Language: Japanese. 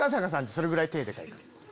それぐらい手でかいから。